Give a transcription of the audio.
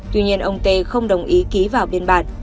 tuy nhiên ông tê không đồng ý ký vào biên bản